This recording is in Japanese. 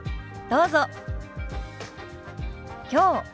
どうぞ。